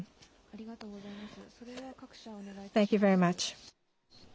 ありがとうございます。